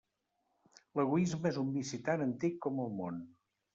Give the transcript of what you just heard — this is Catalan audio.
L'egoisme és un vici tan antic com el món.